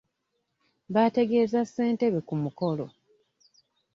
Baategeeza ssentebe ku mukolo.